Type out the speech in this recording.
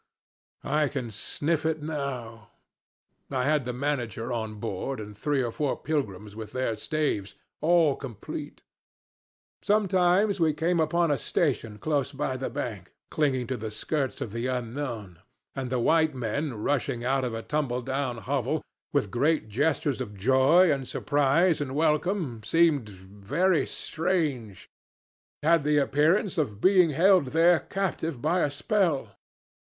Phoo! I can sniff it now. I had the manager on board and three or four pilgrims with their staves all complete. Sometimes we came upon a station close by the bank, clinging to the skirts of the unknown, and the white men rushing out of a tumble down hovel, with great gestures of joy and surprise and welcome, seemed very strange, had the appearance of being held there captive by a spell.